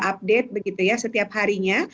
update begitu ya setiap harinya